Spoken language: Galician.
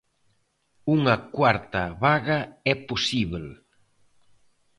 Unha cuarta vaga é posíbel.